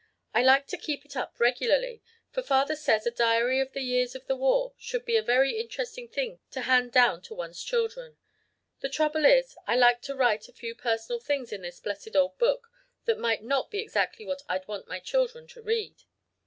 I like to keep it up regularly, for father says a diary of the years of the war should be a very interesting thing to hand down to one's children. The trouble is, I like to write a few personal things in this blessed old book that might not be exactly what I'd want my children to read.